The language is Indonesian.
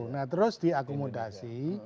nah terus diakomodasi